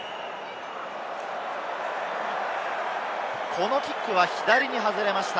このキックは左に外れました。